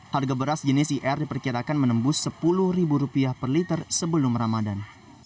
harga beras jenis ir diperkirakan menembus rp sepuluh per liter sebelum ramadan